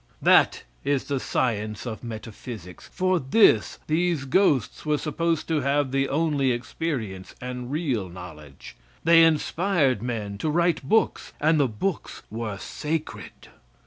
That is the science of metaphysics. For this these ghosts were supposed to have the only experience and real knowledge; they inspired men to write books, and the books were sacred.